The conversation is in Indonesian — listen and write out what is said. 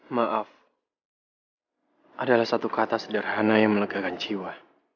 maaf adalah satu kata sederhana yang melegakan jiwa